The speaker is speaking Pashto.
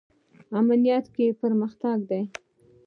امنیت کې پرمختګ دی